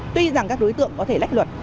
tuy rằng các đối tượng có thể lách luật